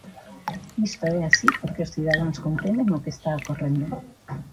Isto é así porque os cidadáns comprenden o que está ocorrendo.